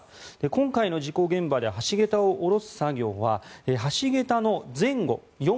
今回の事故現場で橋桁を下ろす作業は橋桁の前後４